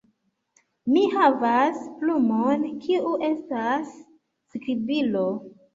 Mi havas plumon kiu estas skribilo